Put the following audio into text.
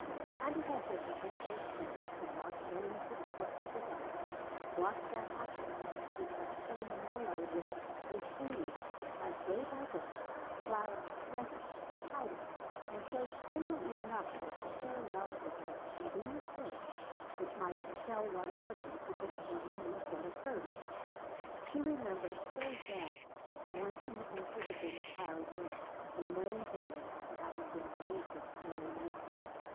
And it had been her painful experience to watch Wayne's disappointment develop, watch that happiness which had so mellowed him recede as day by day Clara fretted and pouted and showed plainly enough that to her love was just a convenient thing which might impel one's husband to get one a new set of furs. She remembered so well one evening she had been in Clara's room when Wayne came in after having been away since early morning.